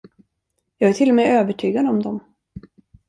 Jag är till och med övertygad om dem.